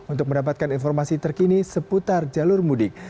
untuk mendapatkan informasi terkini seputar jalur mudik